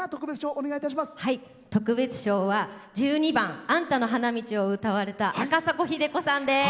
特別賞は１２番「あんたの花道」を歌われたあかさこさんです。